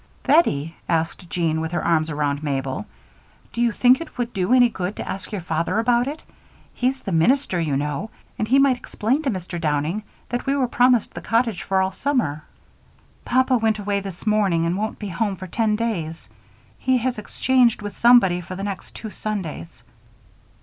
"Bettie," asked Jean with her arms about Mabel, "do you think it would do any good to ask your father about it? He's the minister, you know, and he might explain to Mr. Downing that we were promised the cottage for all summer." "Papa went away this morning and won't be home for ten days. He has exchanged with somebody for the next two Sundays."